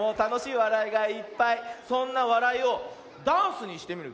そんな「わらい」をダンスにしてみるよ。